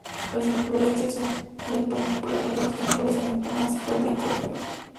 Las inflorescencias son panículas frondosas con flores acampanadas, de color blanco o crema.